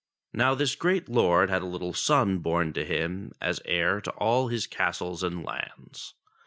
Now this great lord had a little son born to him as heir to all his castles and lands.